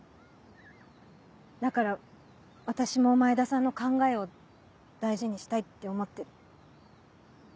だから私も前田さんの考えを大事にしたいって思ってる。